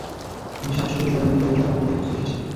আমি সাত সমুদ্র তেরো নদী পাড়ি দিয়ে আমার বোনকে খুঁজতে এসেছি।